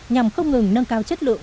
nhằm không ngừng nâng cao chất lượng